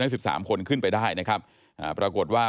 นัก๑๓คนขึ้นไปได้นะครับปรากฎว่า